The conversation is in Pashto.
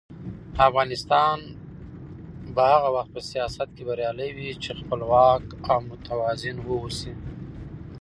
افغانستان به هغه وخت په سیاست کې بریالی وي چې خپلواک او متوازن واوسي.